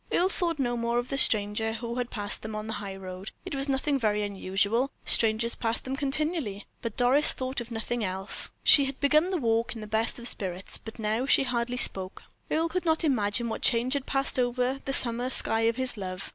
Earle thought no more of the stranger who had passed them on the high road it was nothing very unusual strangers passed them continually. But Doris thought of nothing else. She had begun the walk in the best of spirits, but now she hardly spoke. Earle could not imagine what change had passed over the summer sky of his love.